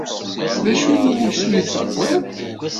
D acu n wusu i tewwiḍ?